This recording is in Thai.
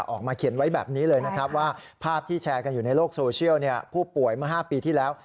ออกมาเขียนไว้แบบนี้เลยนะครับว่าภาพที่แชร์กันอยู่ในโลกโซเชียลผู้ป่วยเมื่อ๕ปีที่แล้ว